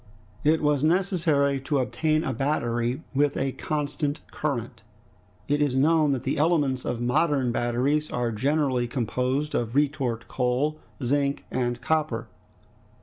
It was necessary to obtain a battery with a constant current. It is known that the elements of modern batteries are generally composed of retort coal, zinc, and copper.